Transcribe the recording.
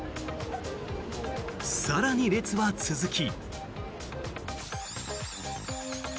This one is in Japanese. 更に列は続き。